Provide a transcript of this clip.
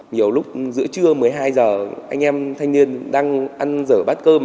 nhiều lúc giữa trưa một mươi hai h anh em thanh niên đang ăn dở bát cơm